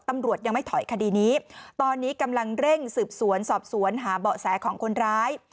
ตำรวจยังไม่ถอยคดีนี้ตอนนี้กำลังเร่งสืบสวนสอบสวนหาเบาะแสของคนร้าย